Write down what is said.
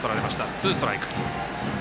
ツーストライク。